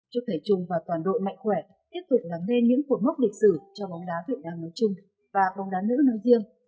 chúc thể chung và toàn đội mạnh khỏe tiếp tục làm nên những cột mốc lịch sử cho bóng đá việt nam nói chung và bóng đá nữ nói riêng